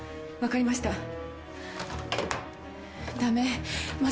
分かりました。